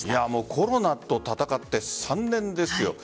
コロナと戦って３年ですよ。